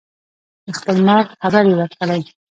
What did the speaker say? د خپل مرګ خبر یې ورکړی.